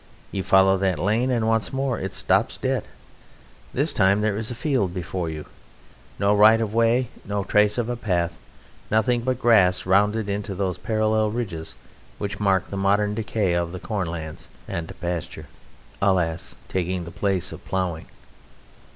You follow that lane, and once more it stops dead. This time there is a field before you. No right of way, no trace of a path, nothing but grass rounded into those parallel ridges which mark the modern decay of the corn lands and pasture alas! taking the place of ploughing.